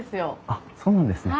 あっそうなんですね。